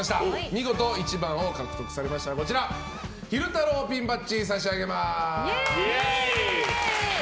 見事１番を獲得されましたら昼太郎ピンバッジを差し上げます。